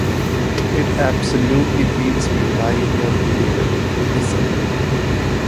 "It absolutely beats me why you don't believe it," I said.